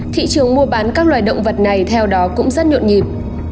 thị trường mua bán các loài động vật này theo đó cũng rất nhộn nhịp